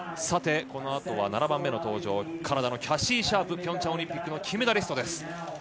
このあとは、７番目カナダのキャシー・シャープピョンチャンオリンピックの金メダリストです。